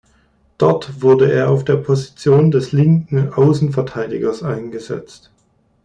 Dort wurde er auf der Position des linken Außenverteidigers eingesetzt.